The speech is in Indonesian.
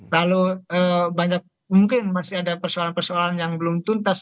lalu banyak mungkin masih ada persoalan persoalan yang belum tuntas